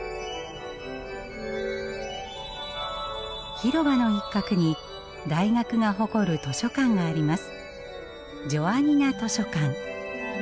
広場の一角に大学が誇る図書館があります。